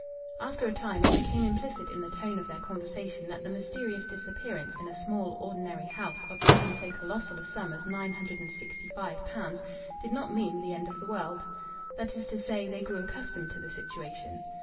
After a time it became implicit in the tone of their conversation that the mysterious disappearance in a small, ordinary house of even so colossal a sum as nine hundred and sixty five pounds did not mean the end of the world. That is to say, they grew accustomed to the situation.